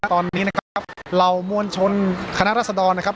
ตอนนี้นะครับเหล่ามวลชนคณะรัศดรนะครับ